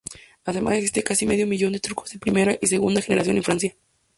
Además existe casi medio millón de turcos de primera y segunda generación en Francia.